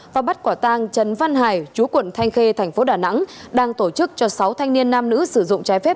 và bắt quả tang trần văn hải chúa quận thanh khê tp đà nẵng đang tổ chức cho sáu thanh niên nam nữ sử dụng trái phép